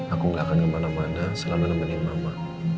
aku gak akan kemana mana selalu nemenin mama